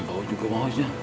mas bau juga mau aja